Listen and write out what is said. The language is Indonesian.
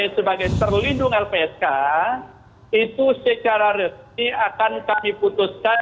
sebagai terlindung lpsk itu secara resmi akan kami putuskan